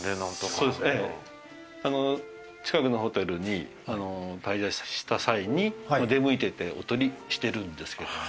近くのホテルに滞在した際に出向いてってお撮りしてるんですけどもね。